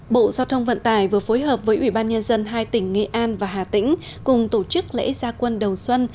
bộ giao thông vận tải vừa phối hợp với ủy ban nhân dân hai tỉnh nghệ an và hà tĩnh cùng tổ chức lễ gia quân đầu xuân